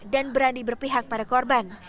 dan berani berpihak pada korban